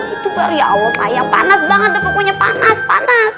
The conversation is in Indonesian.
itu baru ya allah saya panas banget tuh pokoknya panas panas